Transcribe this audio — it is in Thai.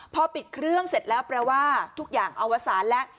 พอปิดเครื่องเสร็จแล้วแปลว่าทุกอย่างเอาอธิษฐ์ละ